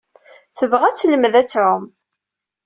Tebɣa ad telmed ad tɛum.